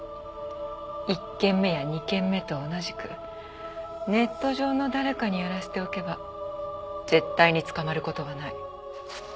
１件目や２件目と同じくネット上の誰かにやらせておけば絶対に捕まる事はない。